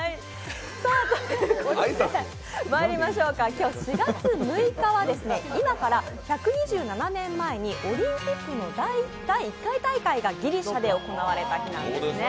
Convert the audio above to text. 今日４月６日は今から１２７年前にオリンピックの第１回大会がギリシャで行われた日なんですね。